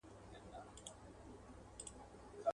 جهاني زما چي په یادیږي دا جنت وطن وو.